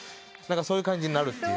そういう感じになるって。